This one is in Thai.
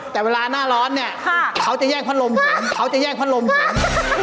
แต่เวลาหน้าร้อนเนี่ยะเขาจะแย่งพ่อรมถึงเขาจะแย่งพ่อรมถึง